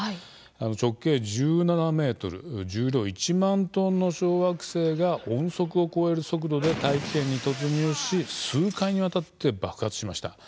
直径１７ｍ、重量１万トンの小惑星が音速を超える速度で大気圏に突入し数回にわたって爆発しました。